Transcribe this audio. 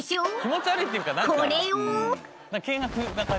これを。